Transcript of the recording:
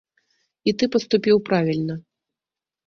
І ты паступіў правільна.